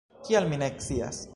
Kial mi ne scias.